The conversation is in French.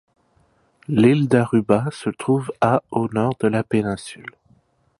L'île d'Aruba se trouve à au nord de la péninsule.